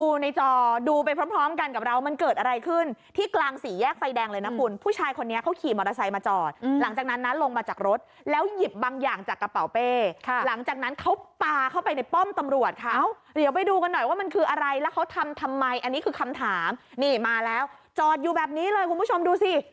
ในจอดูไปพร้อมพร้อมกันกับเรามันเกิดอะไรขึ้นที่กลางสี่แยกไฟแดงเลยนะคุณผู้ชายคนนี้เขาขี่มอเตอร์ไซค์มาจอดหลังจากนั้นนะลงมาจากรถแล้วหยิบบางอย่างจากกระเป๋าเป้หลังจากนั้นเขาปลาเข้าไปในป้อมตำรวจเขาเดี๋ยวไปดูกันหน่อยว่ามันคืออะไรแล้วเขาทำทำไมอันนี้คือคำถามนี่มาแล้วจอดอยู่แบบนี้เลยคุณผู้ชมดูสิ